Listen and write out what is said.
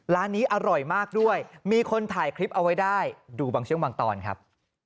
ร้านนี้อร่อยมากด้วยมีคนถ่ายคลิปเอาไว้ได้ดูบางช่วงบางตอนครับ